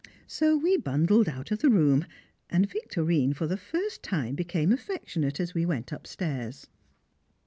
So we bundled out of the room, and Victorine for the first time became affectionate as we went upstairs.